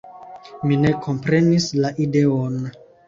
Mi ne komprenis la ideon.